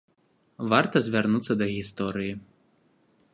Варта звярнуцца да гісторыі.